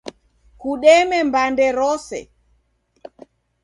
kudeme mbande rose.